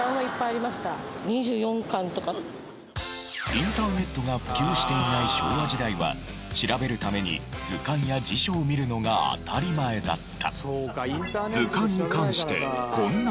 インターネットが普及していない昭和時代は調べるために図鑑や辞書を見るのが当たり前だった。